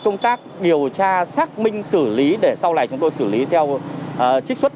chúng tôi sẽ điều tra xác minh xử lý để sau này chúng tôi xử lý theo trích xuất